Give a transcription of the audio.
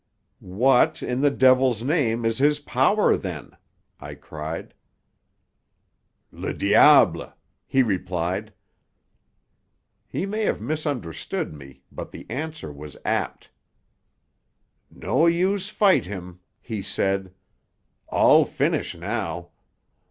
"What, in the devil's name, is his power, then?" I cried. "Le diable," he replied. He may have misunderstood me, but the answer was apt. "No use fight him," he said. "All finish now.